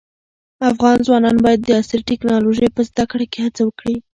افغان ځوانان باید د عصري ټیکنالوژۍ په زده کړه کې هڅه وکړي.